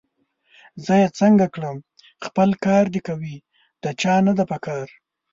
زه یې څنګه کړم! خپل کار دي کوي، د چا نه ده پکار